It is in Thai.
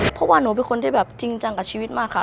เพราะว่าหนูเป็นคนที่แบบจริงจังกับชีวิตมากค่ะ